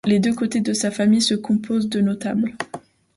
Les deux côtés de sa famille se composent de notables.